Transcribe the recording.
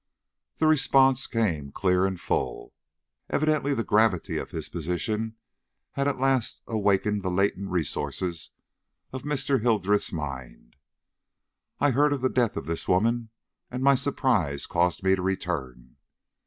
The response came clear and full. Evidently the gravity of his position had at last awakened the latent resources of Mr. Hildreth's mind. "I heard of the death of this woman, and my surprise caused me to return."